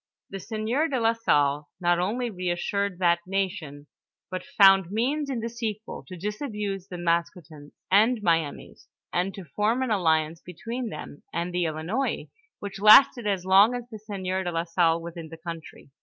The sieur de la Salle not only reassured that nation, but found means in the sequel, to disabuse the Maskoutens and Miamis, and to form an alliance between them and the Ilinois which lasted as long as the sieur de la Salle was in the country.